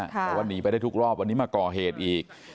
แต่ว่าหนีไปได้ทุกรอบวันนี้มาก่อเหตุอีก